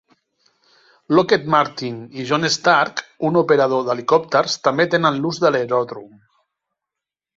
Lockheed Martin i Jon Stark, un operador d'helicòpters, també tenen l'ús de l'aeròdrom.